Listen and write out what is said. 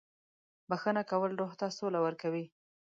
• بښنه کول روح ته سوله ورکوي.